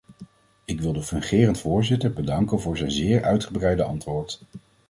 Ik wil de fungerend voorzitter bedanken voor zijn zeer uitgebreide antwoord.